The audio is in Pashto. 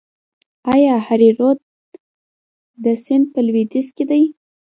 آیا هریرود سیند په لویدیځ کې دی؟